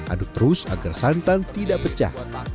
aduk terus agar santan tidak pecah